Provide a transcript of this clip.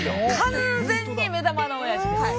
完全に目玉のおやじです。